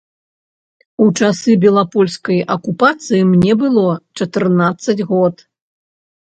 У часы белапольскай акупацыі мне было чатырнаццаць год.